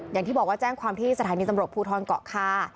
อย่างที่บอกว่าแจ้งความที่สถานีตำรวจภูทรเกาะคา